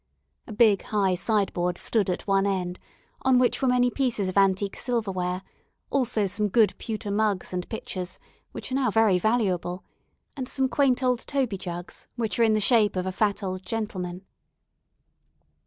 A big, high sideboard stood at one end, on which were many pieces of antique silverware, also some good pewter mugs and pitchers, which are now very valuable, and some quaint old "Toby" jugs, which are in the shape of a fat old gentleman.